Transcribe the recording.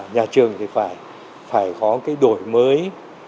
nhà trường thì phải phải có cái đổi mới